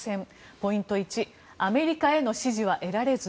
ポイント１アメリカへの支持は得られず？